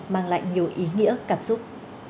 mang lại nhiều ý nghĩa cảm xúc